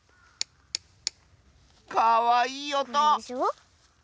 かわいいおと！